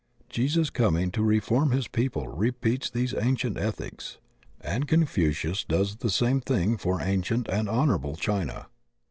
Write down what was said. Jesus coming to reform his people repeats these ancient ethics, and Confucius does the same thing for ancient and honorable China.